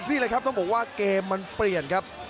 นี่แหละครับต้องบอกว่าเกมมันเปลี่ยนครับ